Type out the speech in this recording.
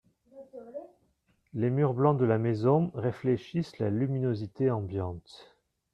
Les murs blancs de la maison réfléchissent la luminosité ambiante.